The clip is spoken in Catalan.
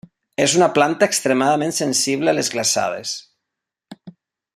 És una planta extremadament sensible a les glaçades.